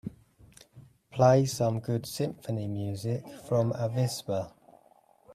Play some good symphony music from Avispa.